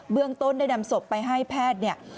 เรื่องต้นได้นำศพไปให้แพทย์เนี่ย